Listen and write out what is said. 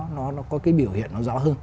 nó có cái biểu hiện nó rõ hơn